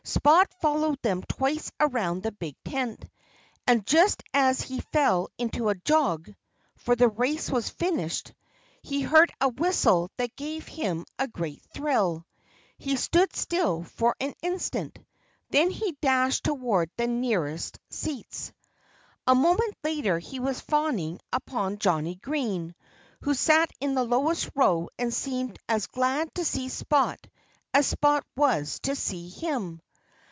Spot followed them twice around the big tent. And just as he fell into a jog for the race was finished he heard a whistle that gave him a great thrill. He stood still for an instant. Then he dashed toward the nearest seats. A moment later he was fawning upon Johnnie Green, who sat in the lowest row and seemed as glad to see Spot as Spot was to see him.